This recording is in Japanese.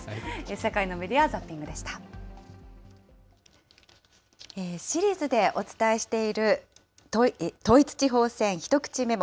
世界のメディア・ザッピングでしシリーズでお伝えしている、統一地方選ひとくちメモ。